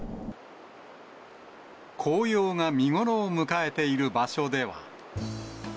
紅葉が見頃を迎えている場所では。